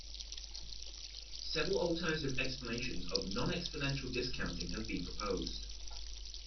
Several alternative explanations of non-exponential discounting have been proposed.